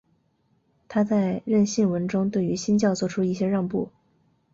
他在认信文中对于新教做出一些让步。